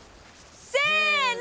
せの！